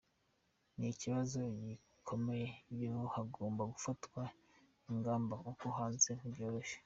Ni ikibazo gikomeye byo hagomba gufatwa ingamba kuko hanze ntibyoroshye .